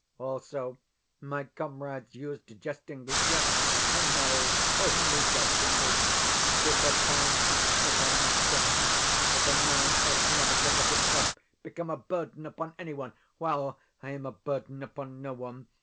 Also, my comrades used jestingly (yes, I know only jestingly) to propound the ethical maxim that a man ought never to let himself become a burden upon anyone. Well, I am a burden upon no one.